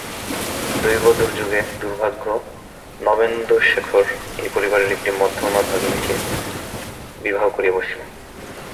দৈবদুর্যোগে দুর্ভাগ্য নবেন্দুশেখর এই পরিবারের একটি মধ্যমা ভগিনীকে বিবাহ করিয়া বসিলেন।